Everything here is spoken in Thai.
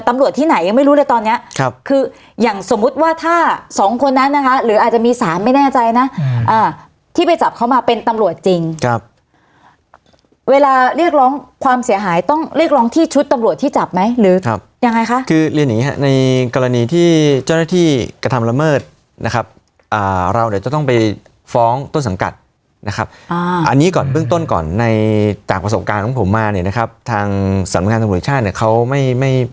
ตำรวจที่ไหนยังไม่รู้เลยตอนเนี้ยครับคืออย่างสมมติว่าถ้าสองคนนั้นนะคะหรืออาจจะมีสามไม่แน่ใจนะอ่าที่ไปจับเขามาเป็นตำรวจจริงครับเวลาเรียกร้องความเสียหายต้องเรียกร้องที่ชุดตำรวจที่จับไหมหรือครับยังไงคะคือเรียนอย่างงี้ฮะในกรณีที่เจ้าหน้าที่กระทำระเมิดนะครับอ่าเราเดี๋ยวจะต้องไปฟ้